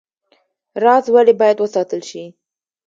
راز ولې باید وساتل شي؟